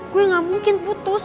gue gak mungkin putus